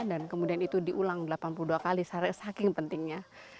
dan kemudian itu diulang delapan puluh dua kali saking pentingnya